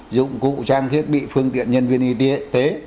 dụng cụ trang thiết bị phương tiện nhân viên y tế